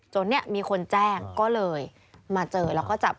เนี่ยมีคนแจ้งก็เลยมาเจอแล้วก็จับ